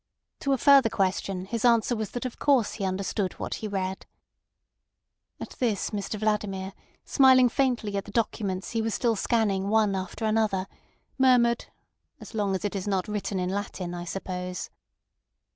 To a further question his answer was that, of course, he understood what he read. At this Mr Vladimir, smiling faintly at the documents he was still scanning one after another, murmured "As long as it is not written in Latin, I suppose."